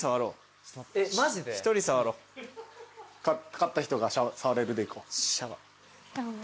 勝った人が触れるでいこう。